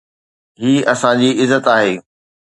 هي اسان جي عزت آهي.